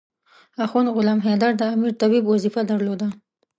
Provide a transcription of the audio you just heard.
اخند غلام حیدر د امیر طبيب وظیفه درلوده.